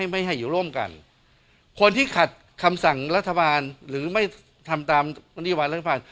ไม่ให้อยู่ร่วมกันคนที่ขัดคำสั่งรัฐบาลหรือไม่ทำตามนโยบายรัฐบาล